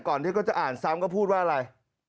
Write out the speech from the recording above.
ที่เขาจะอ่านซ้ำก็พูดว่าอะไร